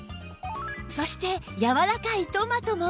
そして柔らかいトマトも